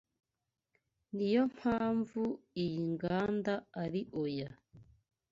niyo mpamvu iyi nganda ari oya